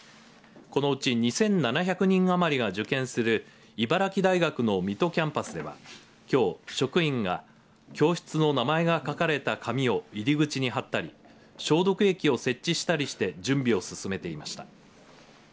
このうち２７００人余りが受験する茨城大学の水戸キャンパスではきょう、職員が教室の名前が書かれた紙を入り口に貼ったり消毒液を設置したりして準備を進めていました。